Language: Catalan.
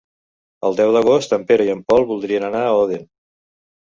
El deu d'agost en Pere i en Pol voldrien anar a Odèn.